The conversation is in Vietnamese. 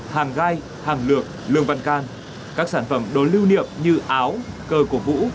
hàng gai hàng lược lương văn can các sản phẩm đồ lưu niệm như áo cơ của vũ